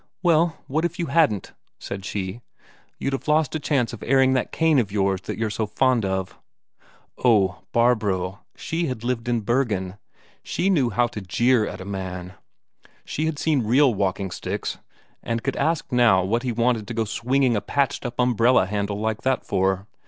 "Well, what if you hadn't?" said she. "You'd have lost a chance of airing that cane of yours that you're so fond of." Oh, Barbro, she had lived in Bergen, she knew how to jeer at a man; she had seen real walking sticks, and could ask now what he wanted to go swinging a patched up umbrella handle like that for.